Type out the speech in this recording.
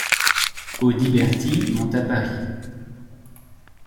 Audiberti monte à Paris.